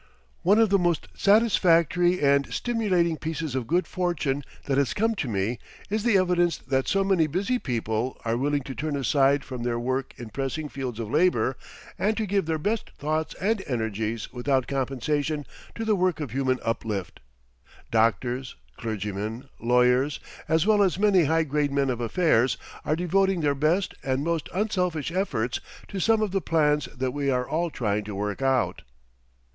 One of the most satisfactory and stimulating pieces of good fortune that has come to me is the evidence that so many busy people are willing to turn aside from their work in pressing fields of labour and to give their best thoughts and energies without compensation to the work of human uplift. Doctors, clergymen, lawyers, as well as many high grade men of affairs, are devoting their best and most unselfish efforts to some of the plans that we are all trying to work out.